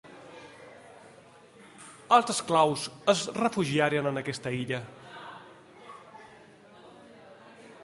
Els esclaus es refugiaren en aquesta illa.